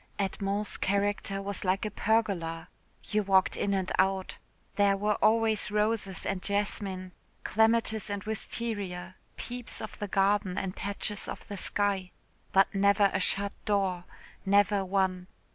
Edmond's character was like a pergola. You walked in and out. There were always roses and jasmine, clematis and wisteria, peeps of the garden and patches of the sky but never a shut door never one.